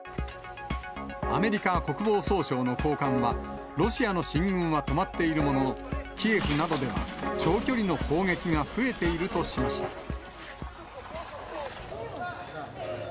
アメリカ国防総省の高官は、ロシアの進軍は止まっているものの、キエフなどでは、長距離の砲撃が増えているとしました。